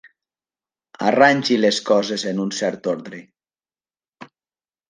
Arrangi les coses en un cert ordre.